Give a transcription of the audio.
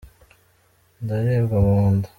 ndaribwa munda.